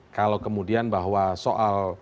kalau kemudian bahwa soal